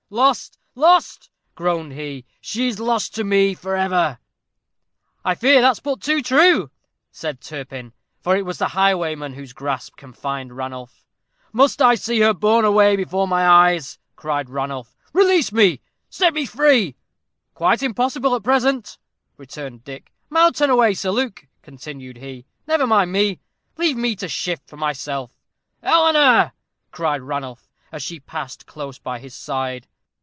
"Lost, lost," groaned he; "she is lost to me forever!" "I fear that's but too true," said Turpin, for it was the highwayman whose grasp confined Ranulph. "Must I see her borne away before my eyes?" cried Ranulph. "Release me set me free!" "Quite impossible at present," returned Dick. "Mount and away, Sir Luke," continued he; "never mind me. Leave me to shift for myself." "Eleanor!" cried Ranulph, as she passed close by his side.